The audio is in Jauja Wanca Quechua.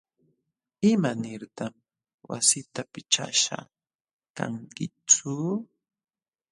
¿Imanirtaq wasita pichashqa kankitsu?